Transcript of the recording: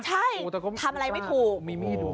ใช่ทำอะไรไม่ถูก